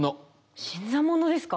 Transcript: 新参者ですか？